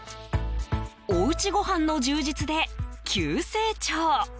おうちごはんの充実で急成長。